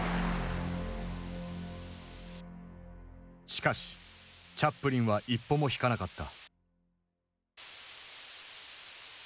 しかしチャップリンは一歩も引かなかった。